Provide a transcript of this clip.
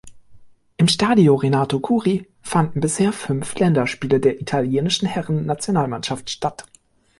Im Stadio Renato Curi fanden bisher fünf Länderspiele der italienischen Herren-Nationalmannschaft statt.